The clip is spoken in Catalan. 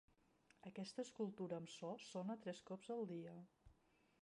Aquesta escultura amb so sona tres cops al dia.